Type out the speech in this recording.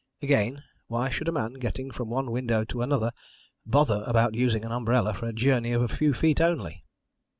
Again, why should a man, getting from one window to another, bother about using an umbrella for a journey of a few feet only?